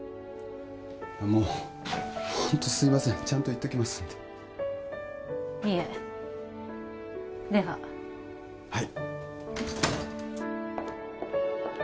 もうホントすいませんちゃんと言っときますんでいえでははい